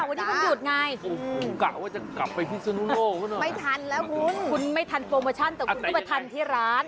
วันนี้วันหยุดไงกะว่าจะกลับไปพิศนุโลกไม่ทันแล้วคุณคุณไม่ทันโปรโมชั่นแต่คุณก็มาทันที่ร้าน